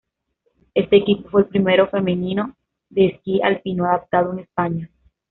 Este equipo fue el primero femenino de esquí alpino adaptado en España.